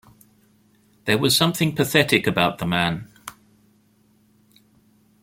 There was something pathetic about the man.